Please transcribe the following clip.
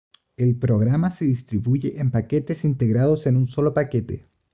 El programa se distribuye en paquetes integrados en un solo paquete.